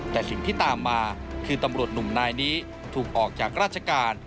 แต่สิ่งที่ตามมาคือตำรวจหนุ่มนายนี้ถูกออกจากราชการ